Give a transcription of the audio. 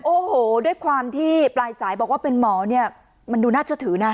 โอ้โหด้วยความที่ปลายสายบอกว่าเป็นหมอเนี่ยมันดูน่าเชื่อถือนะ